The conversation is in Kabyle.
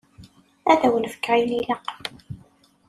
Ad wen-fkeɣ ayen ilaqen.